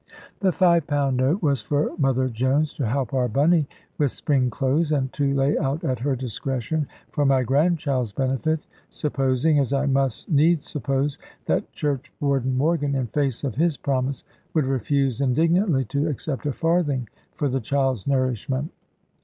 The £5 note was for Mother Jones, to help our Bunny with spring clothes, and to lay out at her discretion for my grandchild's benefit, supposing (as I must needs suppose) that Churchwarden Morgan, in face of his promise, would refuse indignantly to accept a farthing for the child's nourishment.